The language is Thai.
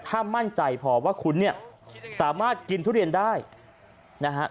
ถ้ามั่นใจพอว่าคุณเนี่ยสามารถกินทุเรียนได้นะฮะ